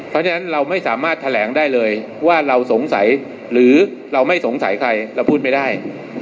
เพราะฉะนั้นเราไม่สามารถแถลงได้เลยว่าเราสงสัยหรือเราไม่สงสัยใครเราพูดไม่ได้